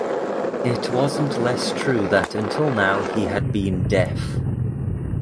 It wasn’t less true that until now he had been deaf.